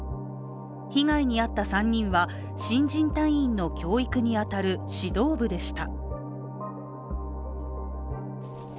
被害に遭った３人は新人隊員の教育に当たる指導部でした。